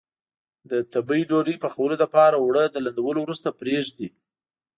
د تبۍ ډوډۍ پخولو لپاره اوړه له لندولو وروسته پرېږدي.